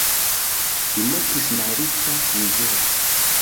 Li mortis malriĉa, mizera.